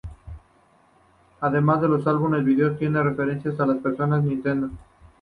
Además sus álbumes y videos tienen referencias a los personajes de Nintendo.